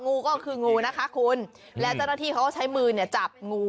งูก็คืองูนะคะคุณและเจ้าหน้าที่เขาก็ใช้มือเนี่ยจับงู